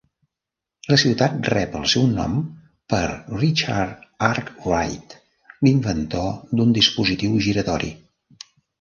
La ciutat rep el seu nom per Richard Arkwright, l'inventor d'un dispositiu giratori.